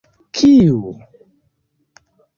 Kiu?